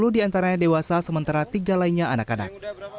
dua puluh di antaranya dewasa sementara tiga lainnya anak anak